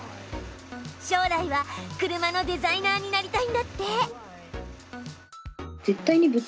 将来は車のデザイナーになりたいんだって！